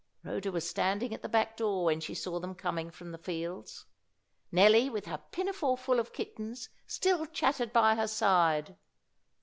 Rhoda was standing at the back door when she saw them coming from the fields. Nelly, with her pinafore full of kittens, still chattered by her side.